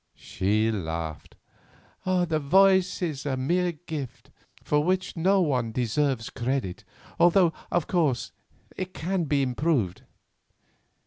She laughed. "The voice is a mere gift, for which no one deserves credit, although, of course, it can be improved."